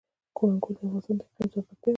انګور د افغانستان د اقلیم ځانګړتیا ده.